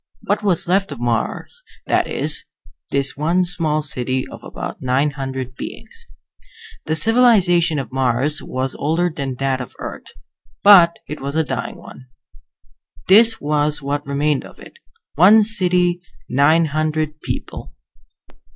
What was left of Mars, that is; this one small city of about nine hundred beings. The civilization of Mars was older than that of Earth, but it was a dying one. This was what remained of it: one city, nine hundred people.